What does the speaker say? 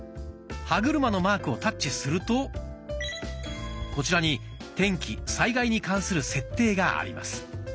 歯車のマークをタッチするとこちらに「天気・災害に関する設定」があります。